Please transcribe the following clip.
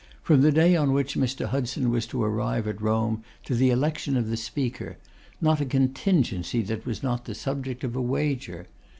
From the day on which Mr. Hudson was to arrive at Rome to the election of the Speaker, not a contingency that was not the subject of a wager!